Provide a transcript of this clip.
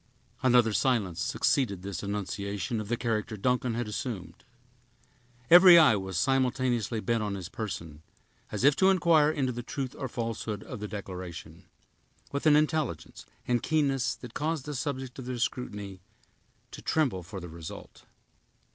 Another silence succeeded this annunciation of the character Duncan had assumed. Every eye was simultaneously bent on his person, as if to inquire into the truth or falsehood of the declaration, with an intelligence and keenness that caused the subject of their scrutiny to tremble for the result.